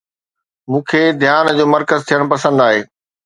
مون کي ڌيان جو مرڪز ٿيڻ پسند آهي